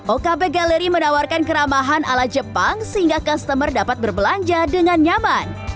okb gallery menawarkan keramahan ala jepang sehingga customer dapat berbelanja dengan nyaman